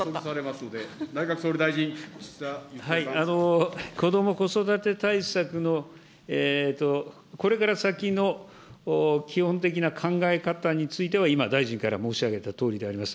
内閣総理大臣、子ども・子育て対策のこれから先の基本的な考え方については、今、大臣から申し上げたとおりであります。